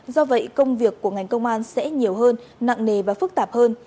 do vậy công việc của ngành công an sẽ nhiều hơn nặng nề và phức tạp hơn